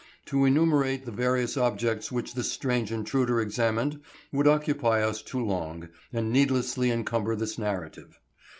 To enumerate the various objects which this strange intruder examined would occupy us too long and needlessly encumber this narrative.